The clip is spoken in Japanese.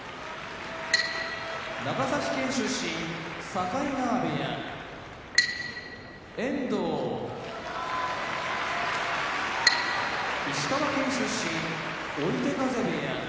長崎県出身境川部屋遠藤石川県出身追手風部屋